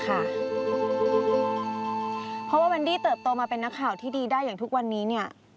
เพราะว่าวันดี้เติบโตมาเป็นนักข่าวที่ดีได้อย่างทุกวันนี้เนี่ย